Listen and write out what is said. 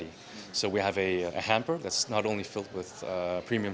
jadi kita memiliki hamper yang tidak hanya dipenuhi dengan coklat premium